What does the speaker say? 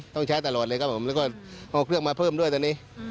ต้องใช้ตลอดเลยครับผมแล้วก็เอาเครื่องมาเพิ่มด้วยตอนนี้